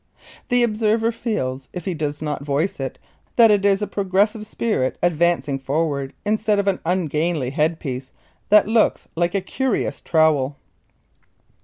The observer feels, if he does not voice it, that it is a progressive spirit advancing forward instead of an ungainly head piece that looks like a curious trowel.